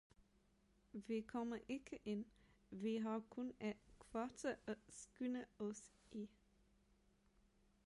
Vi kommer ikke ind, vi har kun et kvarter at skynde os i